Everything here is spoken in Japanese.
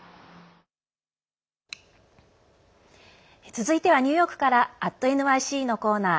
続いてはニューヨークから「＠ｎｙｃ」のコーナー。